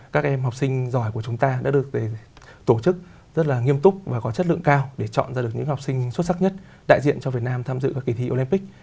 các em học sinh giỏi của chúng ta đã được tổ chức rất là nghiêm túc và có chất lượng cao để chọn ra được những học sinh xuất sắc nhất đại diện cho việt nam tham dự các kỳ thi olympic